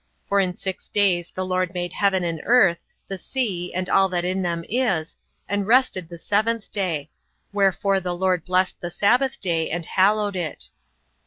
For in six days the LORD made heaven and earth, the sea, and all that in them is, and rested the seventh day: wherefore the LORD blessed the sabbath day, and hallowed it.